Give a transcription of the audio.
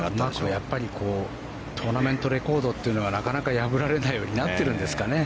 やっぱりトーナメントレコードというのはなかなか破られないようになってるんですかね。